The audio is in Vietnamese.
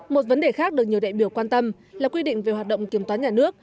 một vấn đề khác được nhiều đại biểu quan tâm là quy định về hoạt động kiểm toán nhà nước